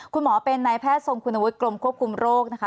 คุณหมอเป็นนายแพทย์ทรงคุณวุฒิกรมควบคุมโรคนะคะ